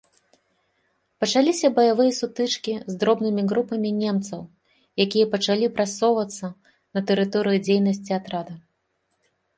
Пачаліся баявыя сутычкі з дробнымі групамі немцаў, якія пачалі прасоўвацца на тэрыторыю дзейнасці атрада.